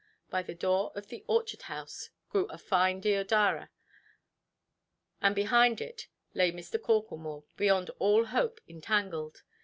By the door of the orchard–house grew a fine deodara, and behind it lay Mr. Corklemore, beyond all hope entangled.